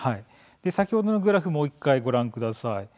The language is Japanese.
先ほどのグラフをもう１回、ご覧ください。